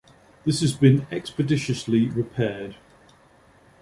This has been expeditiously repaired.